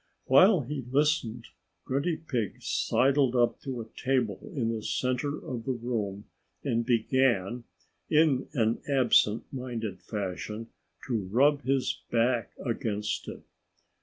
While he listened, Grunty Pig sidled up to a table in the center of the room and began, in an absent minded fashion, to rub his back against it.